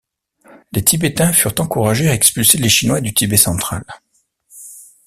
Les Tibétains furent encouragés à expulser les Chinois du Tibet central.